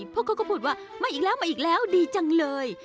พวกเขาก็พูดว่ามาอีกแล้วดีจังเลย